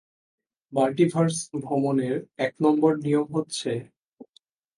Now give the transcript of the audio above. Multiverse ভ্রমণের এক number নিয়ম হচ্ছে!